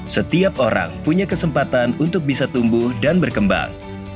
setiap orang punya kesempatan untuk bisa tumbuh dan berkembang